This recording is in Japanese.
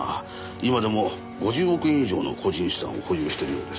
今でも５０億円以上の個人資産を保有しているようです。